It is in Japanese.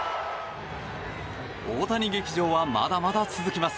大谷劇場はまだまだ続きます。